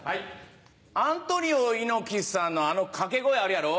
アントニオ猪木さんのあの掛け声あるやろ。